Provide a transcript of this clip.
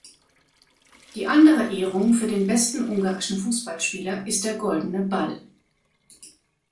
Die andere Ehrung für den besten ungarischen Fußballspieler ist der Goldene Ball.